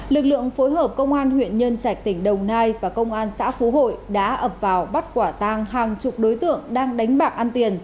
lực lượng phối hợp công an huyện nhân trạch tỉnh đồng nai và công an xã phú hội đã ập vào bắt quả tang hàng chục đối tượng đang đánh bạc ăn tiền